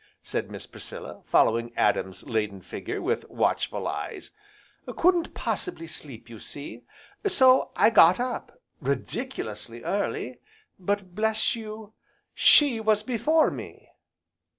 said Miss Priscilla, following Adam's laden figure with watchful eyes, "couldn't possibly sleep, you see. So I got up, ridiculously early, but, bless you, she was before me!"